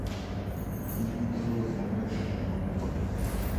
kikitoror mung'aret nebo mokore.